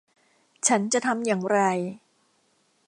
ฉันจะทำอย่างไร